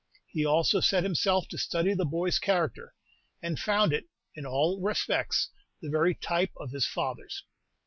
He also set himself to study the boy's character, and found it, in all respects, the very type of his father's.